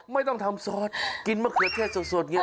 ไม่ต้องทำซอสกินมะเขือเทศส่วนเนี่ย